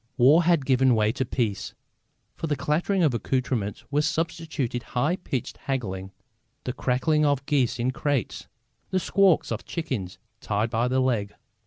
War had given way to peace. For the clattering of accoutrements were substituted high pitched haggling, the cackling of geese in crates, the squawks of chickens tied by the leg.